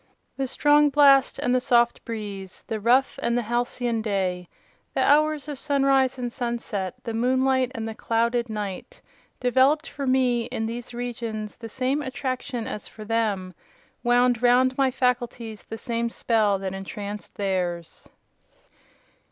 The strong blast and the soft breeze; the rough and the halcyon day; the hours of sunrise and sunset; the moonlight and the clouded night, developed for me, in these regions, the same attraction as for them—wound round my faculties the same spell that entranced theirs.